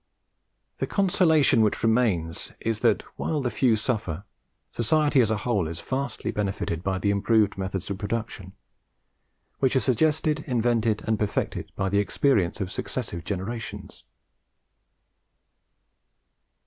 The consolation which remains is, that while the few suffer, society as a whole is vastly benefitted by the improved methods of production which are suggested, invented, and perfected by the experience of successive generations.